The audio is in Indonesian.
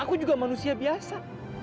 aku juga manusia biasa